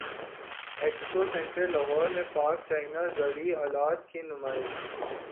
expo centre Lahore میں Pak China زرعی الات کی نمائش